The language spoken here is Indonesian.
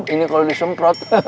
ini kalo disemprot